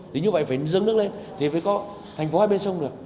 thì như vậy phải dâng nước lên thì phải có thành phố hai bên sông được